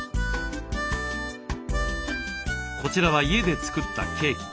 こちらは家で作ったケーキ。